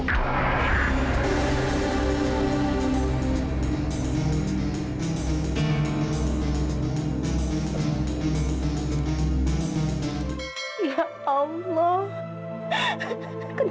tapi sekarang memang dia anak kandung